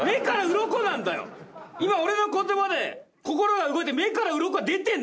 今俺の言葉で心が動いて目からうろこが出てんだよ。